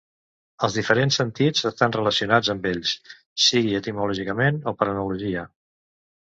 Els diferents sentits estan relacionats entre ells, sigui etimològicament o per analogia.